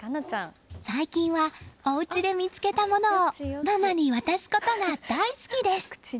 最近は、お家で見つけたものをママに渡すことが大好きです。